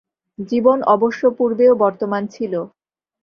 জীবন অবশ্য পূর্বেও বর্তমান ছিল।